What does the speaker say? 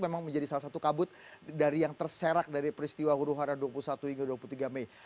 memang menjadi salah satu kabut dari yang terserak dari peristiwa huru hara dua puluh satu hingga dua puluh tiga mei